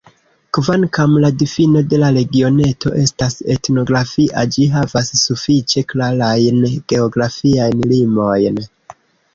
Kvankam la difino de la regioneto estas etnografia, ĝi havas sufiĉe klarajn geografiajn limojn.